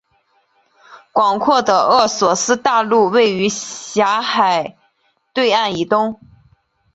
广阔的厄索斯大陆位于狭海对岸以东。